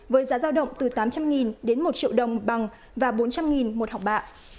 với giá giao động từ tám trăm linh đến một triệu đồng bằng và bốn trăm linh một học bạ